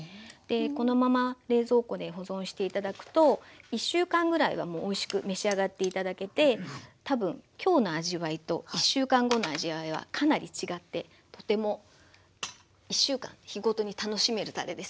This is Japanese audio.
このまま冷蔵庫で保存して頂くと１週間ぐらいはもうおいしく召し上がって頂けて多分今日の味わいと１週間後の味わいはかなり違ってとても１週間日ごとに楽しめるたれですね。